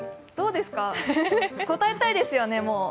答えたいですよね、もう。